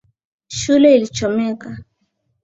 Shule ilichomeka.